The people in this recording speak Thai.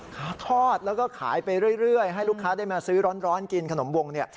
เขาทอดแล้วก็ขายไปเรื่อยให้ลูกค้าได้มาซื้อร้อนกินขนมวงเนี่ย